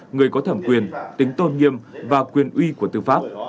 người có thẩm quyền tính tôn nghiêm và quyền uy của tư pháp